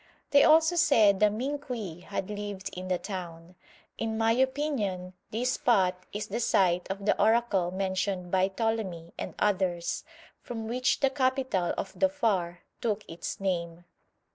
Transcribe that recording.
They also said the Minqui had lived in the town. In my opinion this spot is the site of the oracle mentioned by Ptolemy and others, from which the capital of Dhofar took its name.